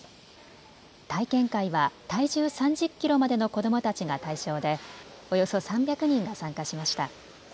体験会は体重３０キロまでの子どもたちが対象でおよそ３００人が参加しました。